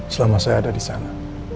selama saya ada di sana